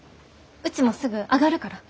うちもすぐ上がるから。